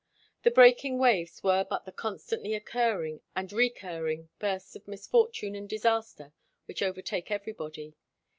The breaking waves were but the constantly occurring and recurring bursts of misfortune and disaster which overtake everybody.